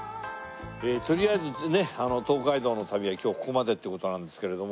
とりあえずね東海道の旅は今日ここまでっていう事なんですけれども。